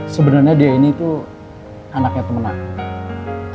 sebenarnya dia ini tuh anaknya temen aku